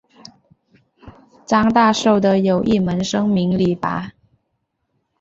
张大受的有一门生名李绂。